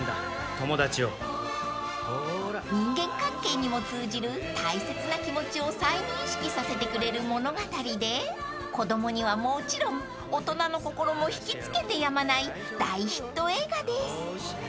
［人間関係にも通じる大切な気持ちを再認識させてくれる物語で子供にはもちろん大人の心も引き付けてやまない大ヒット映画です］